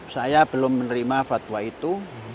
saya belum menerima fatwa itu